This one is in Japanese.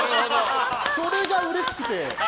それがうれしくて。